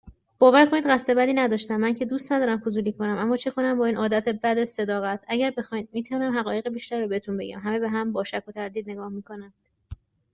باور کنید قصد بدی نداشتم، من که دوست ندارم فضولی کنم. اما چه کنم با این عادت بد صداقت. اگه بخواین میتونم حقایق بیشتری رو بهتون بگم. همه به هم با شک و تردید نگاه می کنند